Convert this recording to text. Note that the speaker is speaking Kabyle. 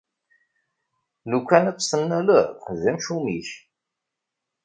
Lukan ad tt-tennaleḍ, d amcum-ik.